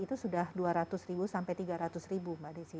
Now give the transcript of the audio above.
itu sudah dua ratus ribu sampai tiga ratus ribu